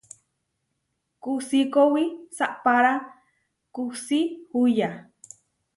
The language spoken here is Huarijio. Kusikowí saʼpára kusí huyá.